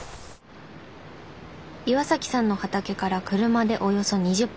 岩さんの畑から車でおよそ２０分。